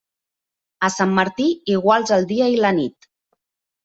A Sant Martí, iguals el dia i la nit.